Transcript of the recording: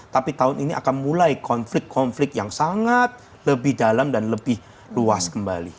tapi tahun ini akan mulai konflik konflik yang sangat lebih dalam dan lebih luas kembali